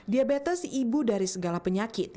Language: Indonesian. diabetes ibu dari segala penyakit